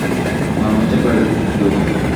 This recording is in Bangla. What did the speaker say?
মনে হচ্ছে কয়েক যুগ।